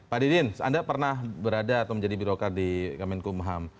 pak didin anda pernah berada atau menjadi birokar di kemenkumham